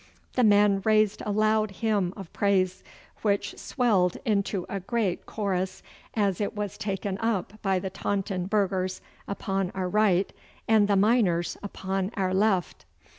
The men raised a loud hymn of praise, which swelled into a great chorus as it was taken up by the Taunton burghers upon our right and the miners upon our left.